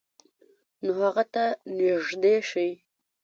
نو هغه ته نږدې شئ،